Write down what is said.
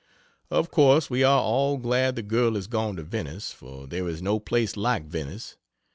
Of course we are all glad the girl is gone to Venice for there is no place like Venice.